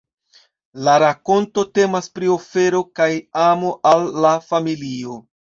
La rakonto temas pri ofero kaj amo al la familio.